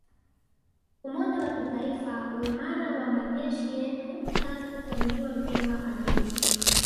Umoja wa kitaifa uimara wa majeshi yetu tatu kumjua vyema adui